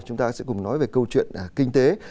chúng ta sẽ cùng nói về câu chuyện kinh tế